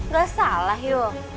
gak salah yuk